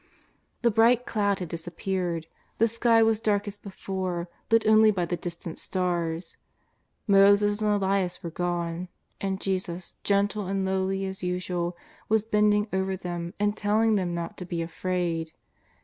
The bright cloud had dis appeared. The sky was dark as before, lit only by the distant stars. Moses and Elias were gone, and Jesus, gentle and lowly as usual, was bending over them and telling them not to be afraid.